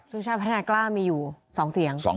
ชาติพัฒนากล้ามีอยู่๒เสียง